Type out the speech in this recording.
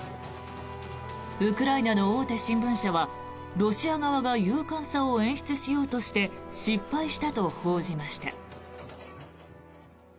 ウクライナの大手新聞社はロシア側が勇敢さを演出しようとして失敗したと報じました。